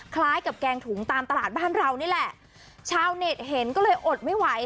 คล้ายกับแกงถุงตามตลาดบ้านเรานี่แหละชาวเน็ตเห็นก็เลยอดไม่ไหว